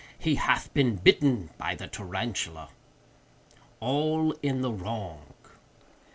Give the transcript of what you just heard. He hath been bitten by the Tarantula. _—All in the Wrong.